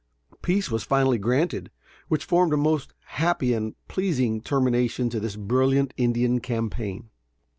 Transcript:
Peace was finally granted, which formed a most happy and pleasing termination to this brilliant Indian campaign.